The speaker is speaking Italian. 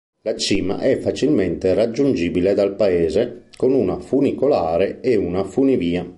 La cima è facilmente raggiungibile dal paese con una funicolare e una funivia.